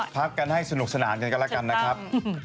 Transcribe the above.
พักกันให้สนุกสนานกันกันแล้วกันนะครับ